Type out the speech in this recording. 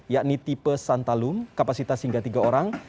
yakni tipe santalum kapasitas hingga tiga orang